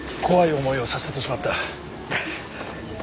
怖い思いをさせてしまった。